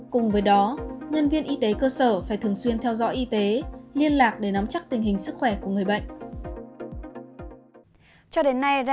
cùng với đó nhân viên y tế cơ sở phải thường xuyên theo dõi y tế liên lạc để nắm chắc tình hình sức khỏe của người bệnh